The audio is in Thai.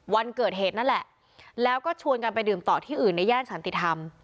วันเกิดเหตุนั่นแหละแล้วก็ชวนกันไปดื่มต่อที่อื่นในย่านสันติธรรม